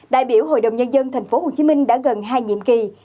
đại biểu hội đồng nhân dân tp hcm đã gần hai nhiệm kỳ